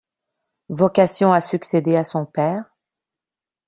Vocation à succéder à son père ?